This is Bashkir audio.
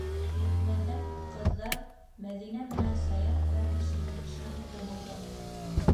Етмәһә, ҡыҙҙар Мәҙинә менән Саяф бәрелешенең шаһиты булды.